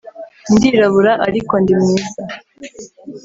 Ndirabura ariko ndi mwiza